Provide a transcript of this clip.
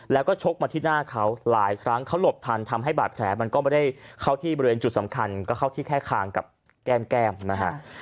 แล้วก็ชกมาที่หน้าเขาหลายครั้งเขาหลบทันทำให้บาดแผลมันก็ไม่ได้เข้าที่บริเวณจุดสำคัญก็เข้าที่แค่คางกับแก้มแก้มนะฮะ